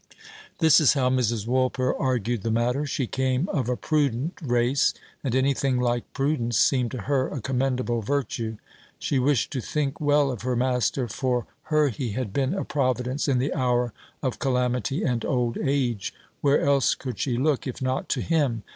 This is how Mrs. Woolper argued the matter. She came of a prudent race; and anything like prudence seemed to her a commendable virtue. She wished to think well of her master; for her he had been a Providence in the hour of calamity and old age. Where else could she look, if not to him?